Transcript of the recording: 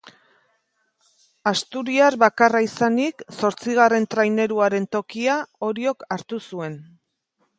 Asturiar bakarra izanik zortzigarren traineruaren tokia Oriok hartu zuen.